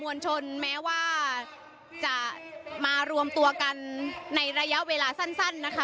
วลชนแม้ว่าจะมารวมตัวกันในระยะเวลาสั้นนะคะ